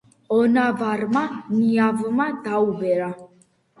ონავარმა ნიავმა დაუბერა.